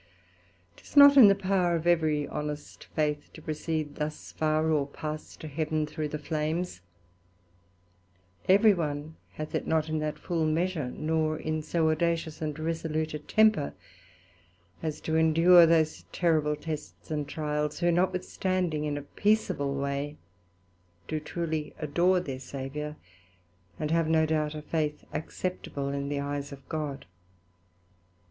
'Tis not in the power of every honest Faith to proceed thus far, or pass to Heaven through the flames; every one hath it not in that full measure, nor in so audacious and resolute a temper, as to endure those terrible tests and trials; who notwithstanding, in a peaceable way do truely adore their Saviour, and have (no doubt) a Faith acceptable in the eyes of God.